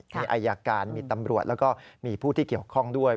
มีอายการมีตำรวจแล้วก็มีผู้ที่เกี่ยวข้องด้วย